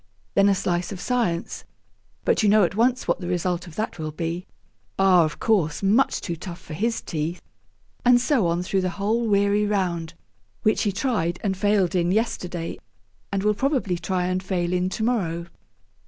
Then a slice of science; but you know at once what the result of that will be ah, of course, much too tough for his teeth. And so on through the whole weary round, which he tried (and failed in) yesterday, and will probably try and fail in to morrow.